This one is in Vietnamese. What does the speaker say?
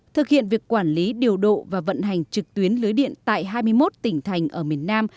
thực hiện việc quản lý điều độ và vận hành trực tuyến lưới điện tại hai mươi một tỉnh thành ở miền nam